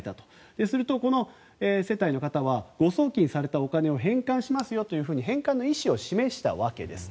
そうしたら、この世帯の方は誤送金されたお金を返還しますよと返還の意思を示したわけです。